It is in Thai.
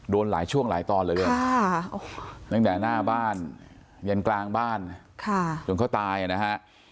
โดนหลายช่วงหลายตอนเหลือเกินตั้งแต่หน้าบ้านยันกลางบ้านจนเขาตายนะฮะ